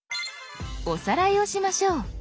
おさらいをしましょう。